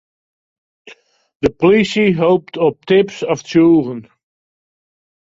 De polysje hopet op tips of tsjûgen.